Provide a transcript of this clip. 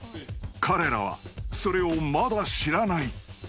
［彼らはそれをまだ知らない］